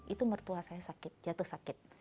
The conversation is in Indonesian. itu mertua saya sakit jatuh sakit